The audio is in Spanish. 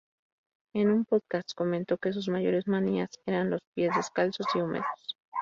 En un podcast comentó que sus mayores manías eran los pies descalzos y húmedos.